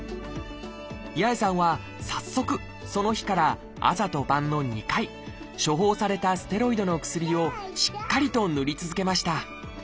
八重さんは早速その日から朝と晩の２回処方されたステロイドの薬をしっかりと塗り続けました。